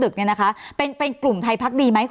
คุณหมอประเมินสถานการณ์บรรยากาศนอกสภาหน่อยได้ไหมคะ